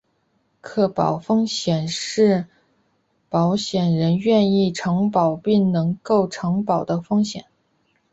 可保风险是保险人愿意承保并能够承保的风险。